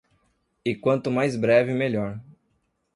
E quanto mais breve melhor.